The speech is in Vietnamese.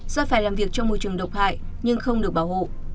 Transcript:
do phải làm việc trong môi trường độc hại nhưng không được bảo hộ